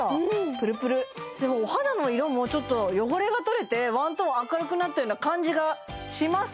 プルプルでもお肌の色もちょっと汚れが取れてワントーン明るくなったような感じがします